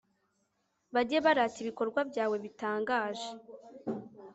bajye barata ibikorwa byawe bitangaje